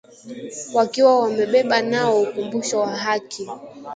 wakiwa wamebeba nao ukumbusho wa haki